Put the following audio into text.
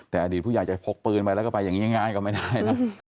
แต่อดีตผู้ใหญ่จะพกปืนไปแล้วก็ไปอย่างนี้ง่ายก็ไม่ได้นะ